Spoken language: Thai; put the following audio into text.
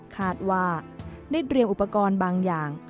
คาดว่าได้เตรียมอุปกรณ์บางอย่าง